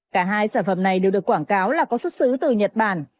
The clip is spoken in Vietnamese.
cả hai sản phẩm này đều được quảng cáo là có xuất xứ từ nhật bản